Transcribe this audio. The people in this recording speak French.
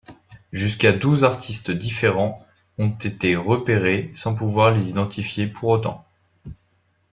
Jusqu'à douze artistes différents ont été repérés sans pouvoir les identifier pour autant.